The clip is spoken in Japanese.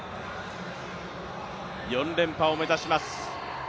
４連覇を目指します。